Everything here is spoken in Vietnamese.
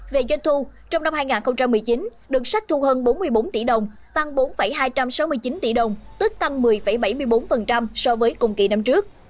về doanh thu trong năm hai nghìn một mươi chín đường sách thu hơn bốn mươi bốn tỷ đồng tăng bốn hai trăm sáu mươi chín tỷ đồng tức tăng một mươi bảy mươi bốn so với cùng kỳ năm trước